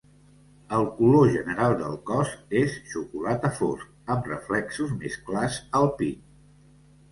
El color general del cos és xocolata fosc, amb reflexos més clars al pit.